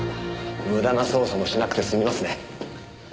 無駄な捜査もしなくて済みますね。